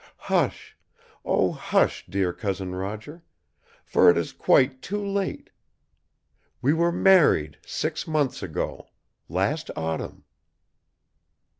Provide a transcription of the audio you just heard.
"Hush! Oh, hush, dear Cousin Roger! For it is quite too late. We were married six months ago; last autumn."